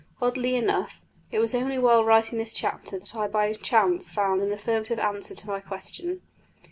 Oddly enough, it was only while writing this chapter that I by chance found an affirmative answer to my question.